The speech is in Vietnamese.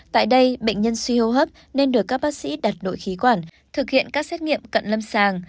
tại đây bệnh nhân suy hô hấp nên được các bác sĩ đặt đội khí quản thực hiện các xét nghiệm cận lâm sàng